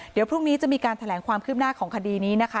เดี๋ยวพรุ่งนี้จะมีการแถลงความคืบหน้าของคดีนี้นะคะ